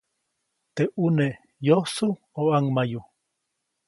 Teʼ ʼune ¿yosu o ʼaŋmayu?